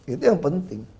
itu yang penting